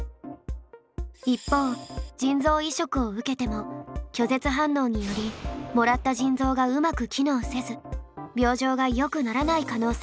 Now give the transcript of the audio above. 一方腎臓移植を受けても拒絶反応によりもらった腎臓がうまく機能せず病状がよくならない可能性もあるんです。